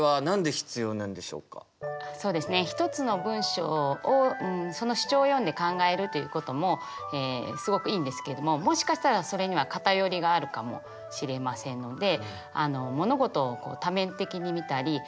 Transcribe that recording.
そうですね一つの文章をその主張を読んで考えるということもすごくいいんですけれどももしかしたらそれには偏りがあるかもしれませんのでより自分の意見がはっきりしてきたりとか。